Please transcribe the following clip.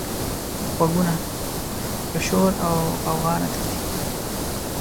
غوږونه له شور او غوغا نه تښتي